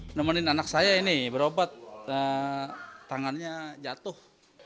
nemenin anak saya ini berobat tangannya jatuh